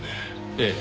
ええ。